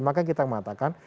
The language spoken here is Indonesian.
maka kita mengatakan